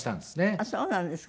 あっそうなんですか。